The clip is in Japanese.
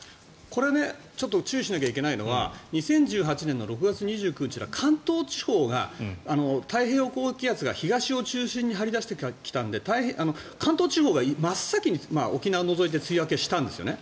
これ注意しなきゃいけないのは２０１８年の６月２９日は関東地方が太平洋高気圧が東を中心に張り出してきたんで関東地方が真っ先に沖縄を除いて梅雨明けしたんですね。